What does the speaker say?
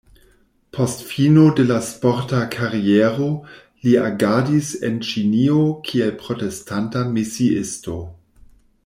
Post fino de la sporta kariero, li agadis en Ĉinio kiel protestanta misiisto.